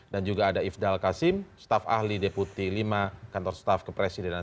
dan juga ada ifdal kasim staf ahli deputi lima kantor staf kepresidenan